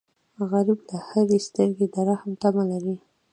غریب له هرې سترګې د رحم تمه لري